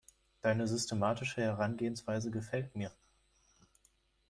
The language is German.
Deine systematische Herangehensweise gefällt mir.